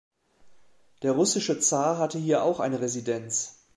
Der russische Zar hatte hier auch eine Residenz.